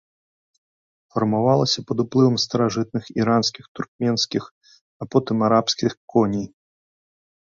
Фармавалася пад уплывам старажытных іранскіх, туркменскіх, а потым арабскіх коней.